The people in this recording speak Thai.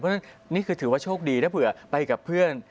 เพราะฉะนั้นนี่คือถือว่าโชคดีถ้าเผื่อไปกับเพื่อน